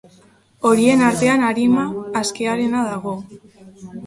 Horien artean, arima askearena dago.